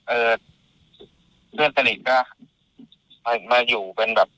เอ่อเพื่อนสนิทก็มาอยู่เป็นแบบ